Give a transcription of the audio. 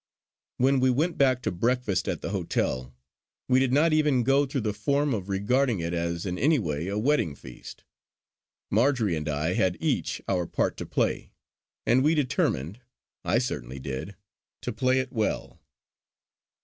When we went back to breakfast at the hotel, we did not even go through the form of regarding it as in any way a wedding feast. Marjory and I had each our part to play, and we determined I certainly did to play it well.